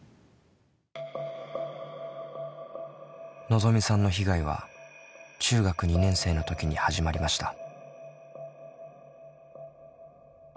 のぞみさんの被害は中学２年生の時に始まりました。